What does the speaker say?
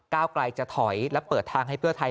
ไกลจะถอยและเปิดทางให้เพื่อไทย